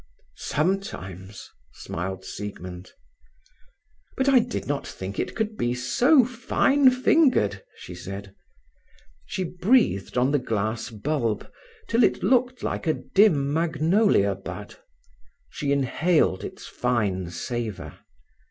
"Sometimes," smiled Siegmund. "But I did not think it could be so fine fingered," she said. She breathed on the glass bulb till it looked like a dim magnolia bud; she inhaled its fine savour.